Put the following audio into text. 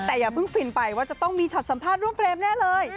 แต่อย่าเพิ่งฟินไปว่าจะต้องมีช็อตสัมภาษณ์ร่วมเฟรมแน่เลย